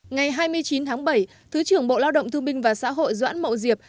ngày hai mươi chín tháng bảy thứ trưởng bộ lao động thương minh và xã hội doãn mậu diệp